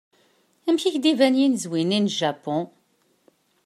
Amek i k-d-iban yinezwi-nni n Japun?